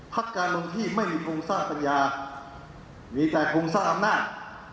การลงที่ไม่มีโครงสร้างปัญญามีแต่โครงสร้างอำนาจ